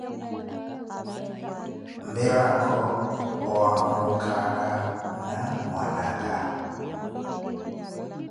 Mmiraakho owaamo muukhaaka na mwana aka.